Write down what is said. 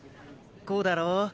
こうだろ？